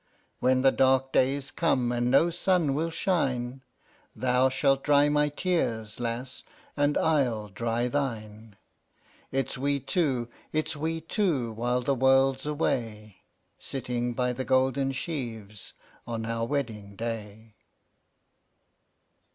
IV. When the darker days come, and no sun will shine, Thou shalt dry my tears, lass, and I'll dry thine. It's we two, it's we two, while the world's away, Sitting by the golden sheaves on our wedding day.